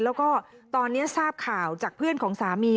แล้วก็ตอนนี้ทราบข่าวจากเพื่อนของสามี